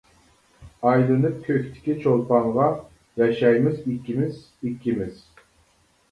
ئايلىنىپ كۆكتىكى چولپانغا، ياشايمىز ئىككىمىز، ئىككىمىز.